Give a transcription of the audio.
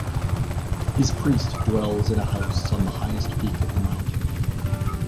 His priest dwells in a house on the highest peak of the mountain.